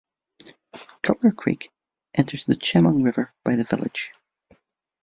Cutler Creek enters the Chemung River by the village.